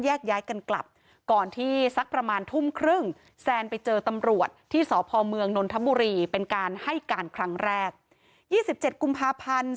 ย้ายกันกลับก่อนที่สักประมาณทุ่มครึ่งแซนไปเจอตำรวจที่สพเมืองนนทบุรีเป็นการให้การครั้งแรก๒๗กุมภาพันธ์